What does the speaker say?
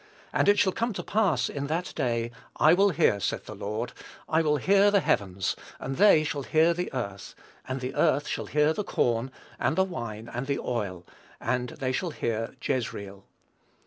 And it shall come to pass in that day, I will hear, saith the Lord, I will hear the heavens, and they shall hear the earth; and the earth shall hear the corn, and the wine, and the oil; and they shall hear Jezreel.